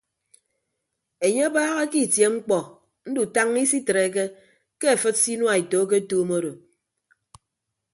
Enye abaaha ke itie mkpọ ndutañña isitreke ke afịd se inuaeto aketuum odo.